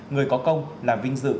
người có công là vinh dự